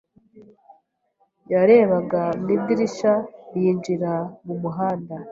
yarebaga mu idirishya yinjira mu muhanda.